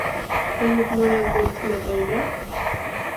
খুব মনে পরছিল তাই না?